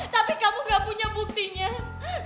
tapi kamu gak punya buktinya